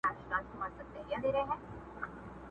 له قسمت سره په جنګ یم، پر آسمان غزل لیکمه.!